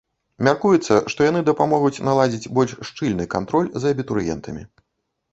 Мяркуецца, што яны дапамогуць наладзіць больш шчыльны кантроль за абітурыентамі.